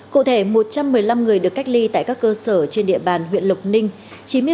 cụ thể một trăm một mươi năm người được cách ly tại các cơ sở trên địa bàn huyện lộc ninh